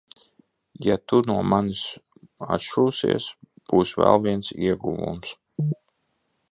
Ja tu no manis atšūsies, būs vēl viens ieguvums.